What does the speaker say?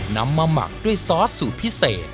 นำมาหมักด้วยซอสสูตรพิเศษ